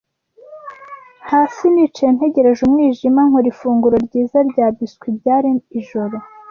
Hasi nicaye ntegereje umwijima, nkora ifunguro ryiza rya biscuit. Byari ijoro